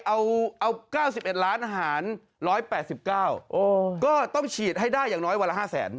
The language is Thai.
เอา๙๑ล้านอาหาร๑๘๙ก็ต้องฉีดให้ได้อย่างน้อยวันละ๕แสน